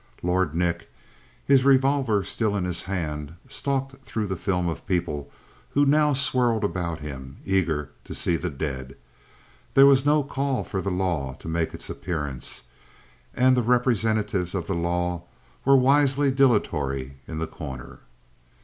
Lord Nick, his revolver still in his hand, stalked through the film of people who now swirled about him, eager to see the dead. There was no call for the law to make its appearance, and the representatives of the law were wisely dilatory in The Corner.